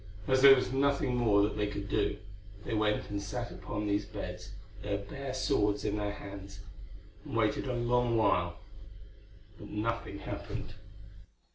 As there was nothing more that they could do, they went and sat upon these beds, their bare swords in their hands, and waited a long while, but nothing happened.